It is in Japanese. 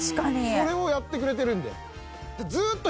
これをやってくれてるんで。